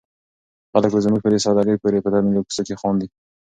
خلک به زموږ په دې ساده ګۍ پورې په تنګو کوڅو کې خاندي.